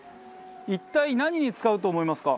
一体何に使うと思いますか？